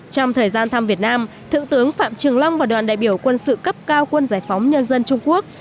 trong thời gian thăm việt nam thượng tướng phạm trường long và đoàn đại biểu quân sự cấp cao quân giải phóng nhân dân trung quốc